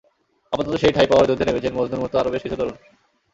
আপাতত সেই ঠাঁই পাওয়ার যুদ্ধে নেমেছেন মজনুর মতো আরও বেশ কিছু তরুণ।